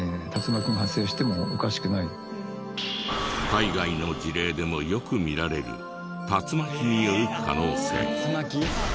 海外の事例でもよく見られる竜巻による可能性。